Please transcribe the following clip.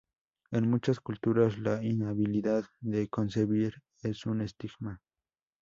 En muchas culturas, la inhabilidad de concebir es un estigma.